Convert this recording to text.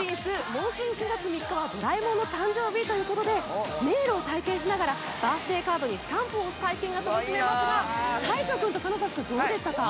もうすぐ９月３日はドラえもんの誕生日ということで迷路を体験しながらバースデーカードにスタンプを押す体験が楽しめますが大昇君とと金指君でしたか？